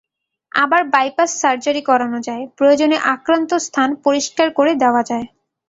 আবার bypass surgery করানো যায়, প্রয়োজনে আক্রান্ত স্থান পরিষ্কার করে দেওয়া যায়।